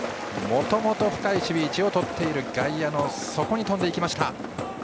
もともと深い守備位置をとっている外野のそこへ飛んでいきました。